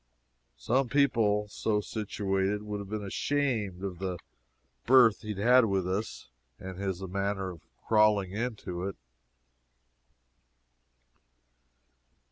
Some people, so situated, would have been ashamed of the berth he had with us and his manner of crawling into it.